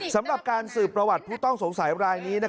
สำหรับการสืบประวัติผู้ต้องสงสัยรายนี้